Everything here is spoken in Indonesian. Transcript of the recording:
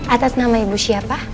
atas nama ibu siapa